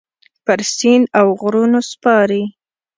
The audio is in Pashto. پر سیند اوغرونو سپارې